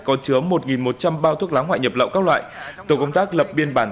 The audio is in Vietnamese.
có chứa một một trăm linh bao thuốc lá ngoại nhập lậu các loại tổ công tác lập biên bản